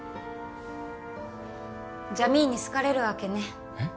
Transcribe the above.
ジャミーンに好かれるわけねえっ？